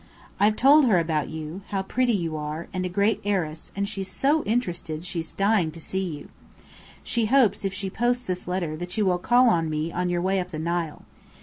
I've told her about you, how pretty you are, and a great heiress and she's so interested, she's dying to see you. She hopes, if she posts this letter, that you will call on me on your way up the Nile.